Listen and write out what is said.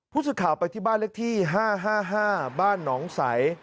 พูดสิทธิ์ข่าวไปที่บ้านเล็กที่๕๕๕บ้านหนองใส